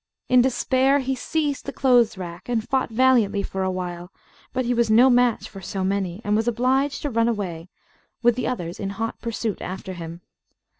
In despair, he seized the clothes rack, and fought valiantly for awhile; but he was no match for so many, and was obliged to run away, with the others in hot pursuit after him.